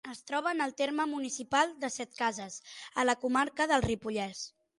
Es troba en el terme municipal de Setcases, a la comarca del Ripollès.